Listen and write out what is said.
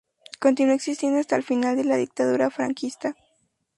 Continuó existiendo hasta el final de la Dictadura franquista.